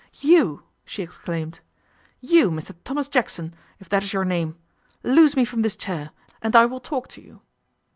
'You!' she exclaimed, 'You, Mr Thomas Jackson, if that is your name! Loose me from this chair, and I will talk to you.